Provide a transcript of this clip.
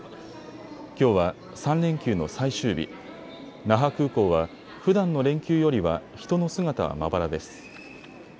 きょうは３連休の最終日、那覇空港は、ふだんの連休よりは人の姿はまばらです。